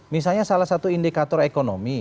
misalnya salah satu indikator ekonomi